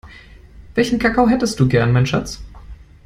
Welchen Kakao hättest du gern, mein Schatz?